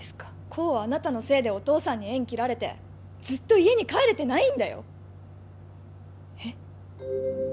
功はあなたのせいでお父さんに縁切られてずっと家に帰れてないんだよえっ？